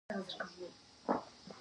ایا زه له یو ګیلاس اوبه څښلی شم؟